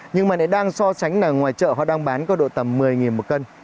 nhưng mà lại đang so sánh là ngoài chợ họ đang bán có độ tầm một mươi một cân